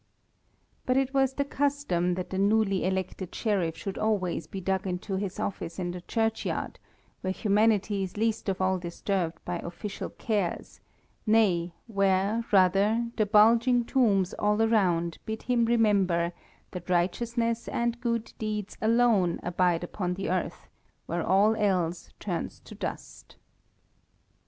] But it was the custom that the newly elected Sheriff should always be dug into his office in the churchyard, where humanity is least of all disturbed by official cares, nay, where, rather, the bulging tombs all around bid him remember that righteousness and good deeds alone abide upon the earth, while all else turns to dust.